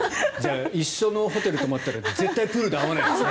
一緒のホテルに泊まったら絶対にプールで会わないですね。